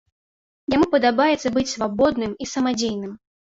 Яму падабаецца быць свабодным і самадзейным.